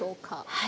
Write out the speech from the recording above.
はい。